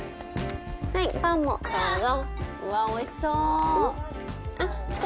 はいパンもどうぞ。